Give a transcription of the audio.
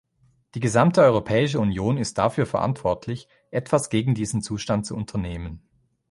Die gesamte Europäische Union ist dafür verantwortlich, etwas gegen diesen Zustand zu unternehmen.